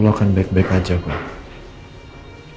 baik baik aja kok